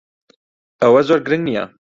ئەوە زۆر گرنگ نییە.